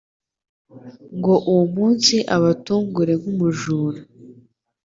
ngo uwo munsi ubatungure nk'umujura.